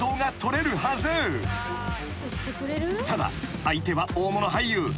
［ただ相手は大物俳優。